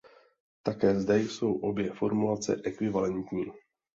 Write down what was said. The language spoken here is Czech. Také zde jsou obě formulace ekvivalentní.